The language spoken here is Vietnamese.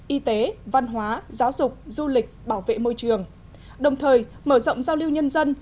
y tế văn hóa giáo dục du lịch bảo vệ môi trường đồng thời mở rộng giao lưu nhân dân